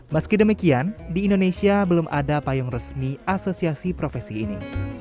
meski demikian di indonesia belum ada payung resmi asosiasi profesi ini